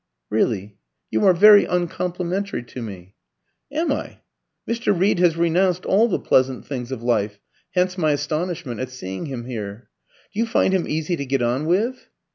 "Really, you are very uncomplimentary to me." "Am I? Mr. Reed has renounced all the pleasant things of life hence my astonishment at seeing him here. Do you find him easy to get on with?"